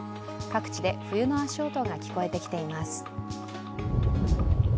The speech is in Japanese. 各地で冬の足音が聞こえ始めてきています。